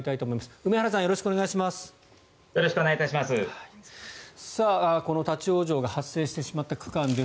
梅原さんよろしくお願いします。